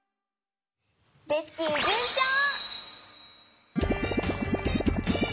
レスキューじゅんちょう！